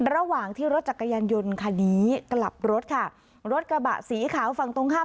ระหว่างที่รถจักรยานยนต์คันนี้กลับรถค่ะรถกระบะสีขาวฝั่งตรงข้าม